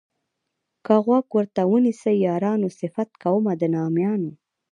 که غوږ ورته ونیسئ یارانو صفت کومه د نامیانو.